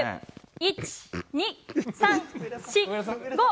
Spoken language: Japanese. １、２、３、４、５。